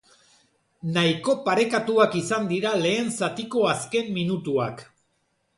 Nahiko parekatuak izan dira lehen zatiko azken minutuak.